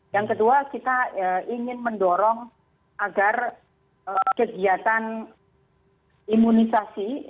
yang kedua kita ingin mendorong agar kegiatan imunisasi